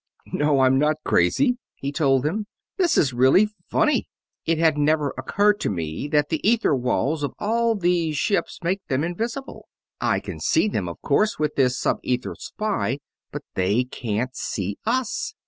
"No, I'm not crazy," he told them. "This is really funny; it had never occurred to me that the ether walls of all these ships make them invisible. I can see them, of course, with this sub ether spy, but they can't see us!